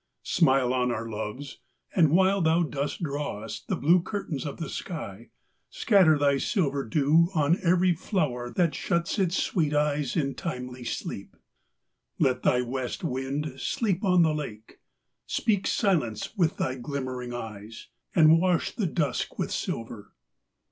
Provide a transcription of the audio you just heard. Smile on our loves, and while thou drawest the Blue curtains of the sky, scatter thy silver dew On every flower that shuts its sweet eyes In timely sleep. Let thy west wind sleep on The lake; speak silence with thy glimmering eyes, And wash the dusk with silver.